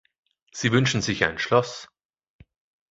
Sie wünschen sich ein Schloss.